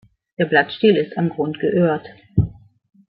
Der Blattstiel ist am Grund geöhrt.